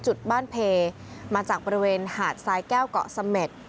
จุดบ้านเพมาจากบริเวณหาดทรายแก้วเกาะเสม็ด